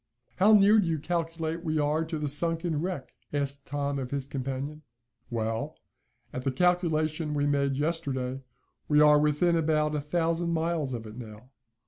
"How near do you calculate we are to the sunken wreck?" asked Tom of his companion. "Well, at the calculation we made yesterday, we are within about a thousand miles of it now.